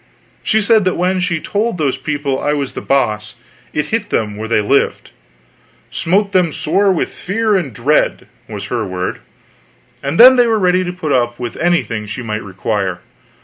She said that when she told those people I was The Boss, it hit them where they lived: "smote them sore with fear and dread" was her word; and then they were ready to put up with anything she might require.